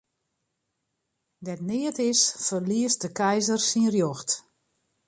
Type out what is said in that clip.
Dêr't neat is, ferliest de keizer syn rjocht.